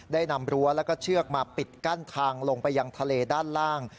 นำรั้วแล้วก็เชือกมาปิดกั้นทางลงไปยังทะเลด้านล่าง